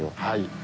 はい。